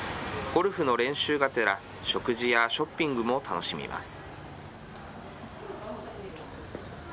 ゴルフの練習がてら、食事やショッピングも楽しみます。